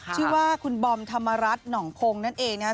ชื่อว่าคุณบอมธรรมรัฐหนองโคงนั่นเองนะ